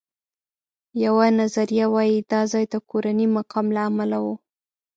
یوه نظریه وایي دا ځای د کورني مقام له امله و.